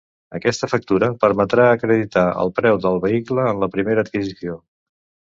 Aquesta factura permetrà acreditar el preu del vehicle en la primera adquisició.